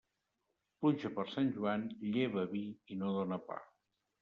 Pluja per Sant Joan, lleva vi i no dóna pa.